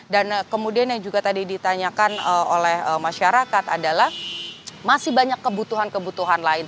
kemudian yang juga tadi ditanyakan oleh masyarakat adalah masih banyak kebutuhan kebutuhan lain